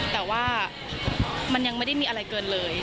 แต่ว่ามันยังไม่ได้มีอะไรเกินเลย